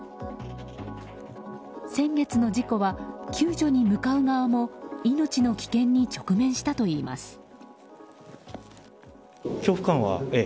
先月の事故は救助に向かう側も命の危険に直面したといいます。